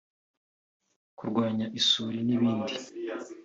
kurwanya isuri n’ibindi